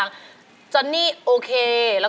คืนนี้โอเคธนา